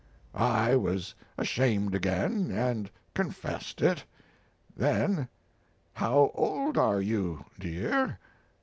I was ashamed again, and confessed it; then: "How old are you, dear?"